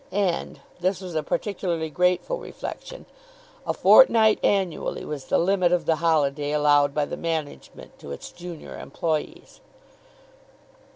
And this was a particularly grateful reflection a fortnight annually was the limit of the holiday allowed by the management to its junior employees.